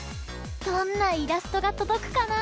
どんなイラストがとどくかな？